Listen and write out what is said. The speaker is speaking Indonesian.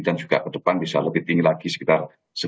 dan juga ke depan bisa lebih tinggi lagi sekitar sebelas tiga belas